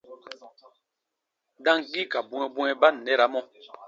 Damgii ka bwɛ̃ɛbwɛ̃ɛ ba ǹ nɛramɔ.